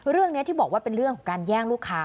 เรื่องนี้ที่บอกว่าเป็นเรื่องของการแย่งลูกค้า